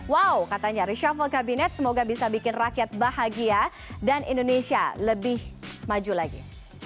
wow katanya reshuffle kabinet semoga bisa bikin rakyat bahagia dan indonesia lebih maju lagi